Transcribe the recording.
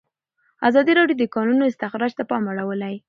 ازادي راډیو د د کانونو استخراج ته پام اړولی.